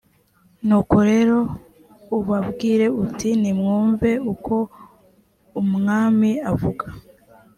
nuko rero ubabwire uti nimwumve uko umwamiavuga